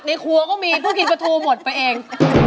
ในครัวก็มีพวกเงี๊ยบพูดหมดไปเอง